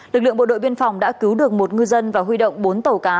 lực lượng bộ đội biên phòng đã cứu được một ngư dân và huy động bốn tàu cá